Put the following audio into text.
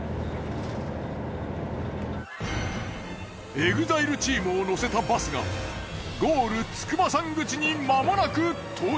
ＥＸＩＬＥチームを乗せたバスがゴール筑波山口にまもなく到着。